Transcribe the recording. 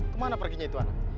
kemana perginya itu anak